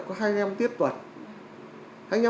có hai mươi năm tiết tuần